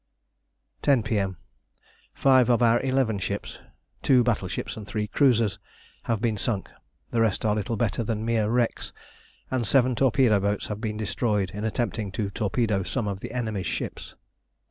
10 P.M. Five of our eleven ships two battleships and three cruisers have been sunk; the rest are little better than mere wrecks, and seven torpedo boats have been destroyed in attempting to torpedo some of the enemy's ships.